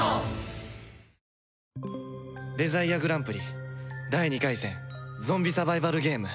デザイアグランプリ第２回戦ゾンビサバイバルゲーム